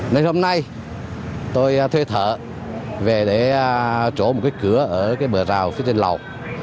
nên hôm nay tôi thuê thợ về để trổ một cái cửa ở cái bờ rào phía trên lầu